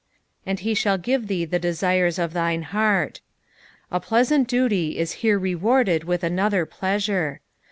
"And he ttuitt gitie Ihee the detiret of thine heart." A Cunt duty is here rewarded with another pleasure.